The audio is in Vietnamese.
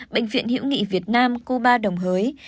bệnh viện hiễu nghị việt nam cuba đồng hới